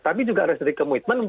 tapi juga ada sedikit komitmen